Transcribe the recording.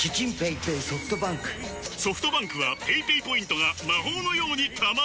ソフトバンクはペイペイポイントが魔法のように貯まる！